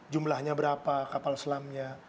jumlahnya berapa kapal selamnya